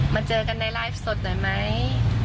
เจอกันในไลฟ์สดหน่อยไหม